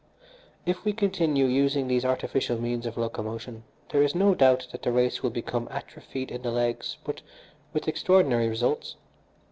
"If we continue using these artificial means of locomotion there is no doubt that the race will become atrophied in the legs but with extraordinary results.